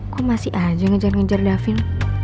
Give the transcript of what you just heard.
kok masih aja ngejar ngejar davin